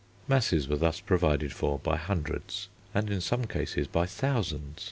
Masses were thus provided for by hundreds, and in some cases by thousands.